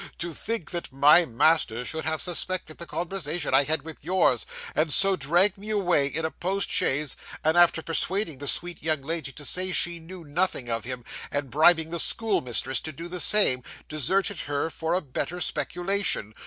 'To think that my master should have suspected the conversation I had with yours, and so dragged me away in a post chaise, and after persuading the sweet young lady to say she knew nothing of him, and bribing the school mistress to do the same, deserted her for a better speculation!